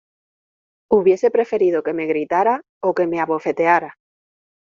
hubiese preferido que me gritara o que me abofeteara